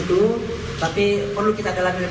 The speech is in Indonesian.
seseruputnya melakukan hal yang terbaik